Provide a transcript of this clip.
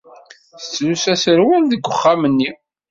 Tettlusu aserwal deg wexxam-nni.